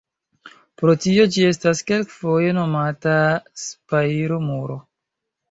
Pro tio, ĝi estas kelkfoje nomata spajro-muro.